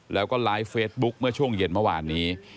แล้วก็ไลฟ์เฟซบุ๊คเมื่อช่วงเย็นเมื่อวานนี้